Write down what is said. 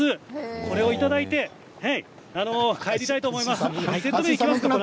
これをいただいて帰りたいと思います。